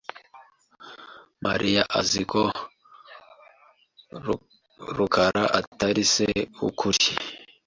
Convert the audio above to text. Mariya azi ko rukaraatari se wukuri.